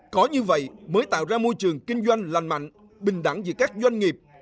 khó như vậy mới tạo ra môi trường kinh doanh lành mạnh bình đẳng giữa các doanh nghiệp